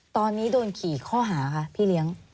ตอนนี้โดนกี่ข้อหาคะพี่เลี้ยง